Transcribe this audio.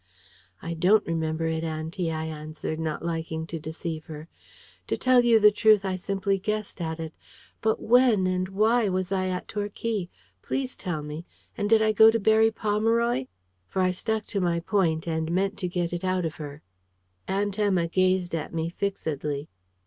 "I DON'T remember it auntie," I answered, not liking to deceive her. "To tell you the truth, I simply guessed at it. But when and why was I at Torquay? Please tell me. And did I go to Berry Pomeroy?" For I stuck to my point, and meant to get it out of her. Aunt Emma gazed at me fixedly.